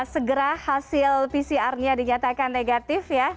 segera hasil pcr nya dinyatakan negatif ya